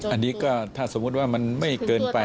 อันนี้ก็ถ้าสมมุติว่ามันไม่เกินไป